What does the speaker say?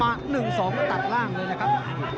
มา๑๒มันตัดหล่างเลยนะครับ